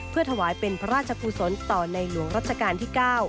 เพื่อถวายเป็นพระราชกุศลต่อในหลวงรัชกาลที่๙